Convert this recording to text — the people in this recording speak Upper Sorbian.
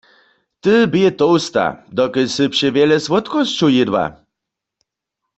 Ty bě tołsta, dokelž sy přewjele słódkosćow jědła.